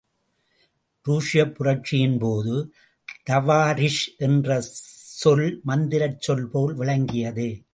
ருஷ்யப் புரட்சியின்போது தவாரிஷ் என்ற சொல் மந்திரச் சொல் போல் விளங்கியது.